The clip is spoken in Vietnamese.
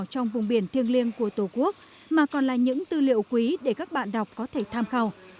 trong vùng biển thiêng liêng của tổ quốc mà còn là những tư liệu quý để các bạn đọc có thể tham khảo